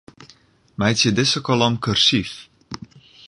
Meitsje dizze kolom kursyf.